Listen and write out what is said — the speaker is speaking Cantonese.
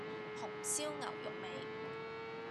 紅燒牛肉味